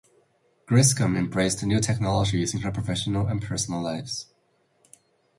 Griscom embraced new technologies in her professional and personal lives.